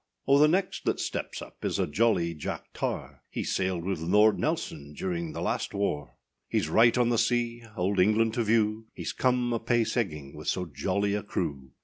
O! the next that steps up is a jolly Jack tar, He sailed with Lord [Nelson], during last war: Heâs right on the sea, Old England to view: Heâs come a pace egging with so jolly a crew.